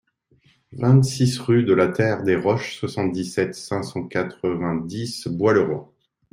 vingt-six rue de la Terre des Roches, soixante-dix-sept, cinq cent quatre-vingt-dix, Bois-le-Roi